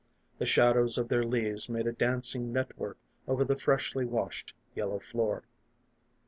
The shadows of their leaves made a dancing net work over the freshly washed yellow floor.